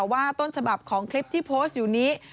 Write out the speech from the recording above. ว่าต้นฉบับของคลิปที่โพสต์อยู่นี้